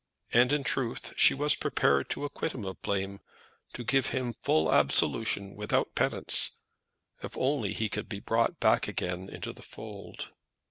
And in truth she was prepared to acquit him of blame, to give him full absolution without penance, if only he could be brought back again into the fold.